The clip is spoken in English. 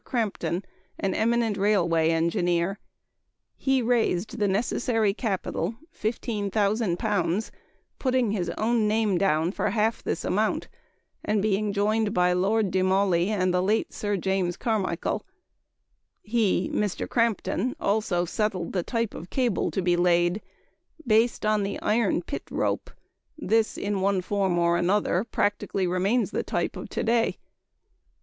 Crampton, an eminent railway engineer. He raised the necessary capital (£15,000), putting his own name down for half this amount and being joined by Lord de Mauley and the late Sir James Carmichael. He (Mr. Crampton) also settled the type of cable to be laid based on the iron pit rope; this, in one form or another, practically remains the type of to day.